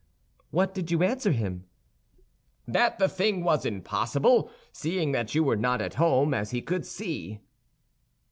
"What did you answer him?" "That the thing was impossible, seeing that you were not at home, as he could see."